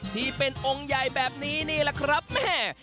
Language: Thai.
ที่เป็นองค์ใหญ่แบบนี้นี่แหละครับแม่